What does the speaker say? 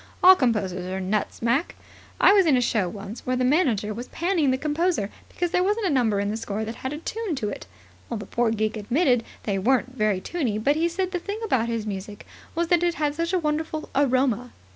"All composers are nuts, Mac. I was in a show once where the manager was panning the composer because there wasn't a number in the score that had a tune to it. The poor geek admitted they weren't very tuney, but said the thing about his music was that it had such a wonderful aroma.